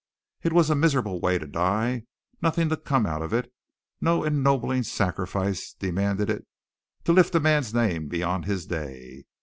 It was a miserable way to die, nothing to come out of it, no ennobling sacrifice demanding it to lift a man's name beyond his day.